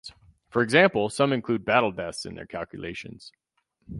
For example, some include battle deaths in their calculations.